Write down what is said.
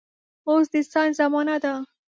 اوس د ساينس زمانه ده